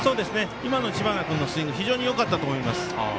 今の知花君のスイング非常によかったと思います。